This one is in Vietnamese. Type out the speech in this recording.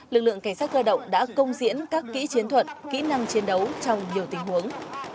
lực lượng cảnh sát cơ động đã công diễn các kỹ chiến thuật kỹ năng chiến đấu trong nhiều tình huống